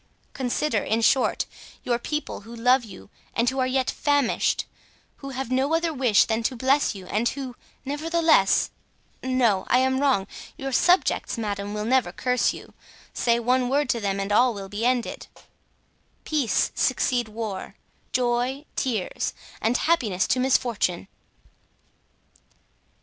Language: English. Consider, in short, your people who love you and who yet are famished, who have no other wish than to bless you, and who, nevertheless—no, I am wrong, your subjects, madame, will never curse you; say one word to them and all will be ended—peace succeed war, joy tears, and happiness to misfortune!"